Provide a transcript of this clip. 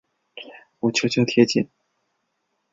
我悄悄贴近